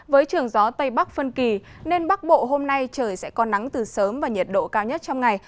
với trường gió tây bắc phân kỳ nên bắc bộ hôm nay trời sẽ có nắng từ sớm và nhiệt độ cao nhất trong ngày